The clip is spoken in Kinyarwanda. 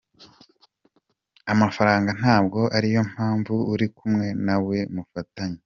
Amafaranga ntabwo ariyo mpamvu uri kumwe nawe, mufatanye.